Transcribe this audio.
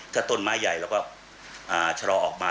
ถ้าต้นไม้ใหญ่เราก็ชะลอออกมา